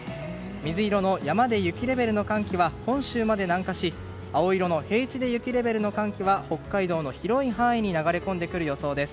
水色の山で雪レベルの寒気は本州まで南下し青色の平地で雪レベルの寒気は北海道の広い範囲に流れ込んでくる予想です。